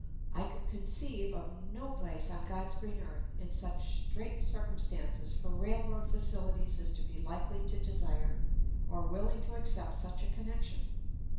I could conceive of no place on "God's green earth" in such straitened circumstances for railroad facilities as to be likely to desire or willing to accept such a connection.